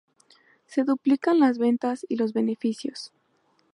Se duplican las ventas y los beneficios.